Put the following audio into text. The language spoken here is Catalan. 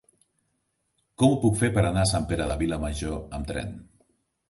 Com ho puc fer per anar a Sant Pere de Vilamajor amb tren?